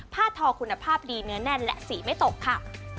ทอคุณภาพดีเนื้อแน่นและสีไม่ตกค่ะ